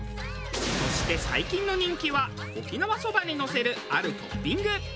そして最近の人気は沖縄そばにのせるあるトッピング。